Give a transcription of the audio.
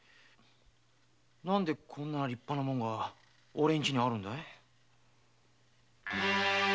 なんでこんな立派なもんが俺んちにあるんだ？